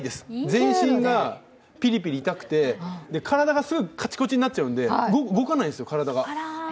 全身がピリピリ痛くて、体がすぐカチコチになっちゃうので、動かないんです、体が。